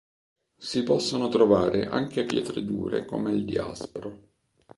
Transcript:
Si possono trovare anche pietre dure come il diaspro.